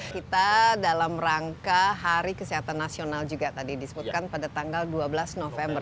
kita dalam rangka hari kesehatan nasional juga tadi disebutkan pada tanggal dua belas november